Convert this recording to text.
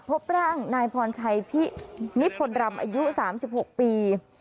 พบร่างนายพรชัยพินิพลรำอายุ๓๖ปี